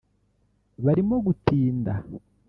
barimo gutinda